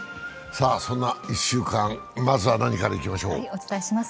そんな１週間、まずは何からいきましょう？